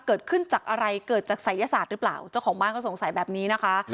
เกิดขึ้นจากอะไรเกิดจากศัยศาสตร์หรือเปล่าเจ้าของบ้านก็สงสัยแบบนี้นะคะ